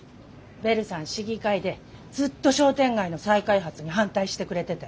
ベルさん市議会でずっと商店街の再開発に反対してくれてて。